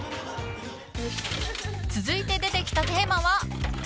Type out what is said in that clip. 続いて出てきたテーマは。